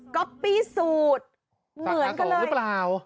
ก็ปิซูทเหมือนกันเลยสาขาสมหรือเปล่า